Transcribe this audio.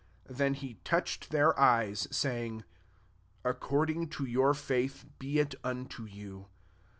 £9 Then he touched their eyes, saying, "Ac cording to your faith be it unto you.